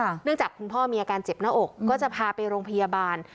เนื่องจากคุณพ่อมีอาการเจ็บหน้าอกก็จะพาไปโรงพยาบาล